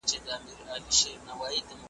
اوس اِمارت دی چي څه به کیږي .